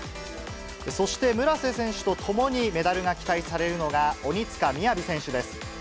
そして村瀬選手とともにメダルが期待されるのが、鬼塚雅選手です。